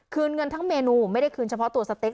เงินทั้งเมนูไม่ได้คืนเฉพาะตัวสเต็ก